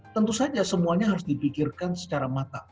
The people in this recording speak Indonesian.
tentu saja semuanya harus dipikirkan secara matang